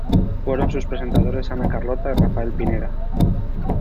Fueron sus presentadores Ana Carlota y Rafael Pineda.